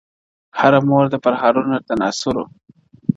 هره مور ده پرهارونه د ناصورو،